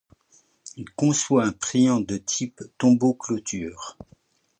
Il conçoit un priant de type tombeau clôture.